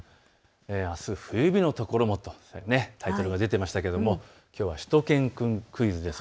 あす冬日の所もとタイトルが出てましたけどきょうはしゅと犬くんクイズです。